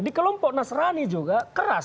di kelompok nasrani juga keras